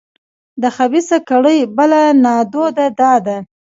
د خبیثه کړۍ بله نادوده دا ده.